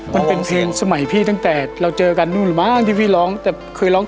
มันเป็นเพลงสมัยพี่ตั้งแต่เราเจอกันนู่นมากที่พี่ร้อง